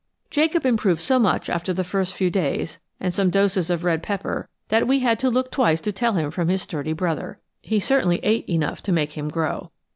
Jacob improved so much after the first few days and some doses of red pepper that we had to look twice to tell him from his sturdy brother. He certainly ate enough to make him grow.